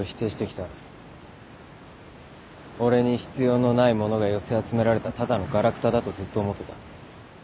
俺に必要のないものが寄せ集められたただのガラクタだとずっと思ってた。